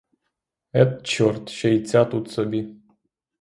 Ет, чорт, ще й ця тут собі!